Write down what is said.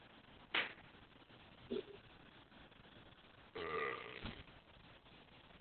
Na Biko akachaguliwa kuwa kama rais wa kwanza wa juimuiya hiyo